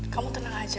kamu tenang aja